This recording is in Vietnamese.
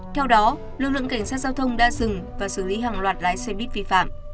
theo đó lực lượng cảnh sát giao thông đã dừng và xử lý hàng loạt lái xe buýt vi phạm